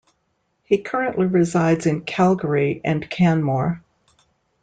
He currently resides in Calgary and Canmore.